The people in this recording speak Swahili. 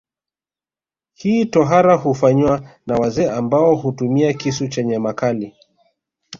Hii tohara hufanywa na wazee ambao hutumia kisu chenye makali